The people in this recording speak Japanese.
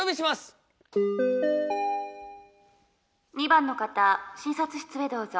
２番の方診察室へどうぞ。